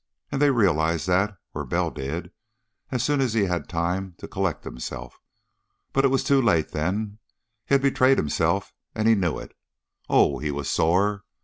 And they realized that, or Bell did, as soon as he'd had time to collect himself. But it was too late then; he had betrayed himself and he knew it. Oh, he was sore!